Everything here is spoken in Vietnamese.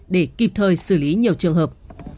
để kịp thời xử lý nhiều trường hợp